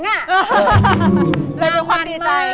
น่ากลัวความดีใจ